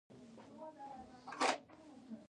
، وېښته يې شکول، کيسه مالومه شوه